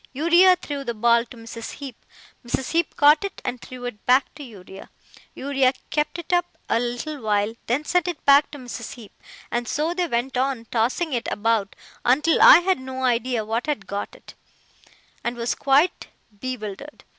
Uriah threw the ball to Mrs. Heep, Mrs. Heep caught it and threw it back to Uriah, Uriah kept it up a little while, then sent it back to Mrs. Heep, and so they went on tossing it about until I had no idea who had got it, and was quite bewildered.